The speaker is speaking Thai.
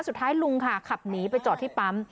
สุดท้ายลุงค่ะขับหนีไปจอดที่ปั๊ม